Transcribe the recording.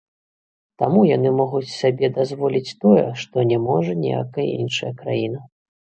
Таму яны могуць сабе дазволіць тое, што не можа ніякая іншая краіна.